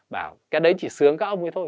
bảo cái đấy chỉ sướng các ông ấy thôi